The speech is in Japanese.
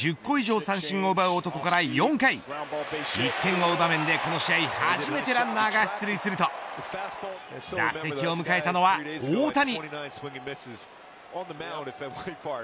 ９イニングで１０個以上三振を奪う男から４回１点を追う場面でこの試合初めてランナーが出塁すると打席を迎えたのは大谷。